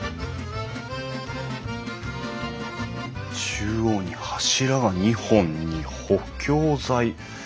中央に柱が２本に補強材。